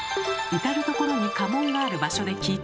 至る所に家紋がある場所で聞いてみました。